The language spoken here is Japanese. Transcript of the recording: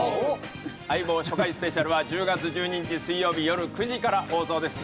『相棒』初回スペシャルは１０月１２日水曜日よる９時から放送です。